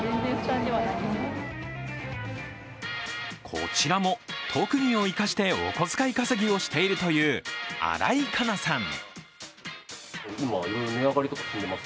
こちらも特技を生かしてお小遣い稼ぎをしているという新井香奈さん。